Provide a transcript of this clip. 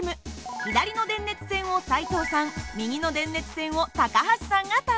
左の電熱線を斉藤さん右の電熱線を高橋さんが担当。